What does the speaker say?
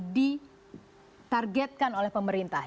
ditargetkan oleh pemerintah